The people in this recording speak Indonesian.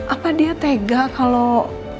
apa dia tega kalau